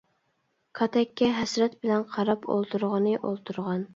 كاتەككە ھەسرەت بىلەن قاراپ ئولتۇرغىنى ئولتۇرغان.